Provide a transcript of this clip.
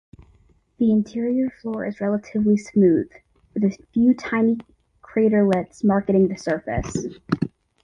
The interior floor is relatively smooth, with a few tiny craterlets marking the surface.